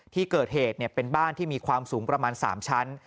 ที่เกิดเหตุเป็นบ้านที่มีความสูงประมาณ๓ชั้น